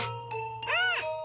うん！